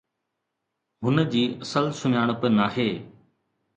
هن جي اصل سڃاڻپ ناهي.